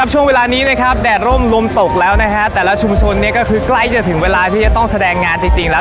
ช่วงเวลานี้นะครับแดดร่มลมตกแล้วนะฮะแต่ละชุมชนก็คือใกล้จะถึงเวลาที่จะต้องแสดงงานจริงแล้ว